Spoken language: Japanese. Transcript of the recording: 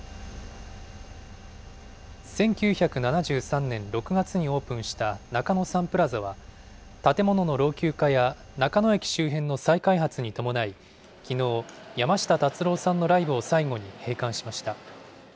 １９７３年６月にオープンした中野サンプラザは、建物の老朽化や中野駅周辺の再開発に伴い、きのう、山下達郎さんのライブを最後に閉館しました。